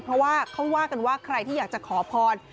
เพราะว่าเขาว่ากันว่าใครที่อยากจะขอพร